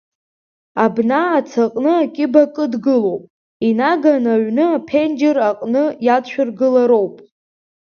Абна ацаҟны акьыба кыдгылоуп, инаганы аҩны аԥенџьыр аҟны иадшәыргылароуп!